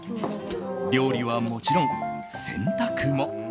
料理はもちろん、洗濯も。